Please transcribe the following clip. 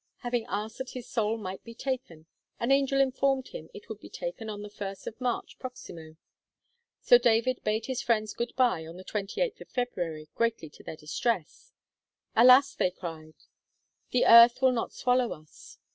Having asked that his soul might be taken, an angel informed him it would be taken on the first of March proximo. So David bade his friends good bye on the 28th of February, greatly to their distress. 'Alas!' they cried, 'the earth will not swallow us!